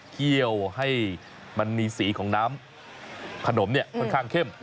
เคี่ยวให้มันมีสีของน้ำขนมเนี่ยค่อนข้างเข้ม